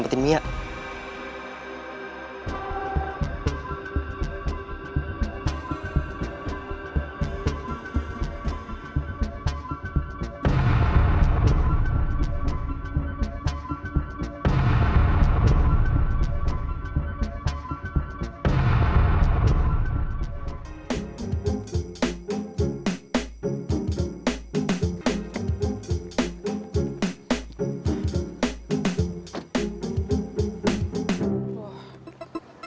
adalah untuk mengel solutionook